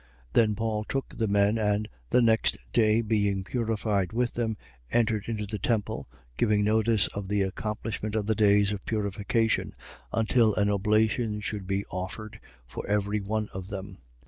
21:26. Then Paul took the men and, the next day being purified with them, entered into the temple, giving notice of the accomplishment of the days of purification, until an oblation should be offered for every one of them.